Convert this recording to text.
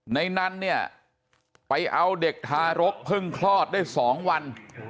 ในนั้นเนี่ยไปเอาเด็กทารกเพิ่งคลอดได้๒วัน